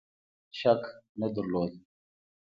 شک نه درلود.